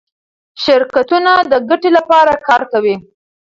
شرکتونه د ګټې لپاره کار کوي.